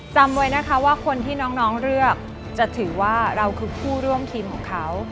จำไว้นะคะว่าคนที่น้องเลือกจะถือว่าเราคือผู้ร่วมทีมของเขา